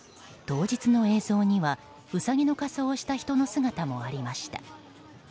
当日の映像にはウサギの仮装をした人の姿もありました。